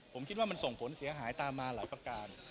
ผมคิดว่ามันส่งผลเสียหายตามมาหลายประการ